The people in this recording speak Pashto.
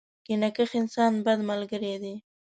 کینه کښ انسان ، بد ملګری دی.